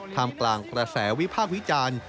ท่ามกลางกระแสวิภาควิจารณ์